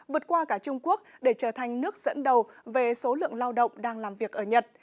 vượt qua cả trung quốc để trở thành nước dẫn đầu về số lượng lao động đang làm việc ở nhật